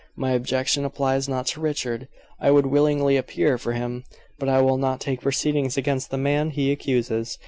"My objection applies not to Richard. I would willingly appear for him, but I will not take proceedings against the man he accuses.